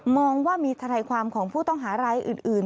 ว่ามีทนายความของผู้ต้องหารายอื่น